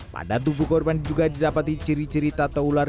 pada tubuh korban juga didapati ciri ciri tata ular